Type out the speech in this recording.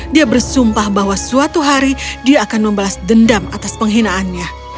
dia bersumpah bahwa suatu hari dia akan membalas dendam atas penghinaannya